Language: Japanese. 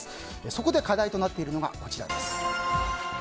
そこで課題となっているのがこちらです。